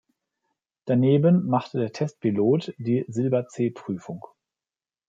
Daneben machte der Testpilot die Silber-C-Prüfung.